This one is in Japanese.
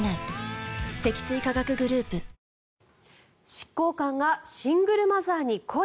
執行官がシングルマザーに恋？